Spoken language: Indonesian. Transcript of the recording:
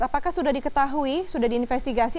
apakah sudah diketahui sudah diinvestigasi